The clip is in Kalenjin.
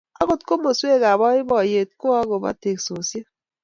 Akot komoswek ab boiboyet ko akoba teksosiet